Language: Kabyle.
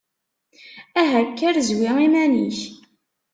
Aha kker, zwi iman-ik!